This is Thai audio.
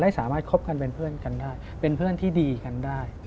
สามารถคบกันเป็นเพื่อนกันได้เป็นเพื่อนที่ดีกันได้